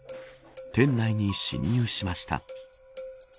店内に侵入しました。